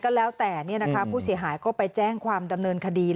แกจะมีปัญหาของคนมังซอย